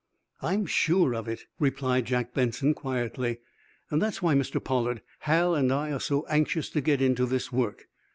"I'm sure of it," replied Jack Benson, quietly. "That's why, Mr. Pollard, Hal and I are so anxious to get into this work.